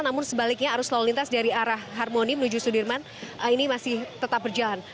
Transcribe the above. namun sebaliknya arus lalu lintas dari arah harmoni menuju sudirman ini masih tetap berjalan